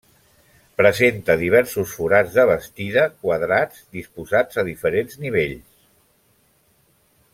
Presenta diversos forats de bastida quadrats disposats a diferents nivells.